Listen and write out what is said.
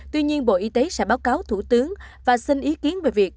tuy nhiên bộ y tế sẽ báo cáo thủ tướng và xin ý kiến về việc